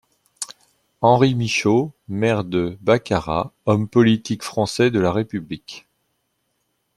Henri Michaut, maire de Baccarat, homme politique français de la République.